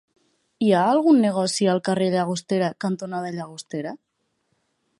Hi ha algun negoci al carrer Llagostera cantonada Llagostera?